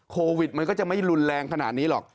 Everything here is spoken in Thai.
โควิดมันก็จะไม่รุนแรงขนาดนี้หรอก